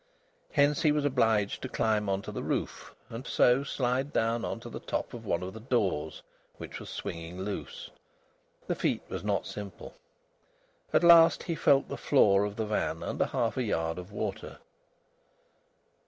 Hence he was obliged to climb on to the roof, and so slide down on to the top of one of the doors, which was swinging loose. The feat was not simple. At last he felt the floor of the van under half a yard of water.